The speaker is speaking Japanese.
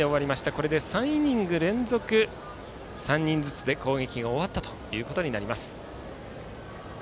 これで３イニング連続３人ずつで攻撃が終わったことになります。